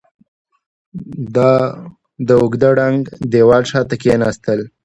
د اوږده ړنګ دېوال شاته کېناستل.